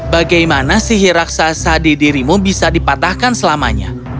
bagaimana sihir raksasa di dirimu bisa dipatahkan selamanya